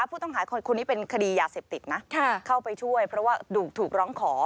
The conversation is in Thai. ผู้ต้องหาคนนี้เป็นคดียาเสพติดนะเข้าไปช่วยเพราะว่าถูกร้องขอ